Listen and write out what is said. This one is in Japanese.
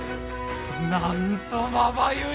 なんとまばゆい！